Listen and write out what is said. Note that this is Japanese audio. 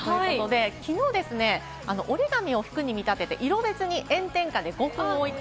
昨日、折り紙を服に見立てて、色別に炎天下で５分おいて。